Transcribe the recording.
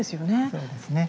そうですね。